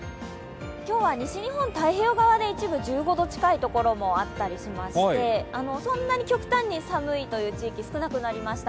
今日は西日本太平洋側で一部１５度近い所もあったりしてそんなに極端に寒いという地域少なくなりました。